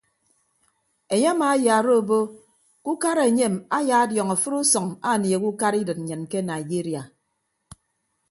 Enye amaayaara obo ke ukara enyem ayaadiọñ afịt usʌñ anieehe ukara idịt nnyịn ke naiyiria.